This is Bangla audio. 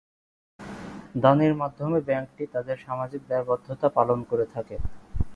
দানের মাধ্যমে ব্যাংকটি তাদের সামাজিক দায়বদ্ধতা পালন করে থাকে।